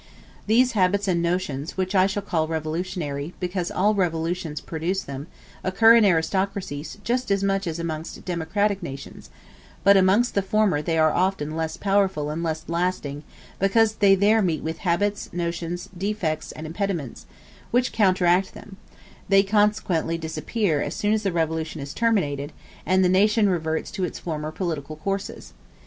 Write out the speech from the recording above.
These habits and notions, which I shall call revolutionary, because all revolutions produce them, occur in aristocracies just as much as amongst democratic nations; but amongst the former they are often less powerful and always less lasting, because there they meet with habits, notions, defects, and impediments, which counteract them: they consequently disappear as soon as the revolution is terminated, and the nation reverts to its former political courses.